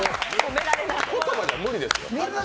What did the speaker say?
言葉じゃ無理ですよ。